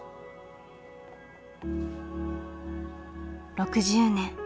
６０年。